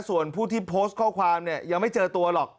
ส่วนผู้ที่โพสต์ข้อความเนี่ยยังไม่เจอตัวหรอก